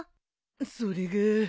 それが。